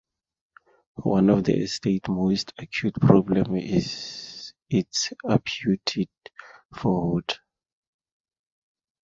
One of the state's most acute problems is its appetite for water.